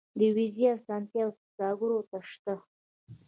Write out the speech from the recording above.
د ویزې اسانتیاوې سوداګرو ته شته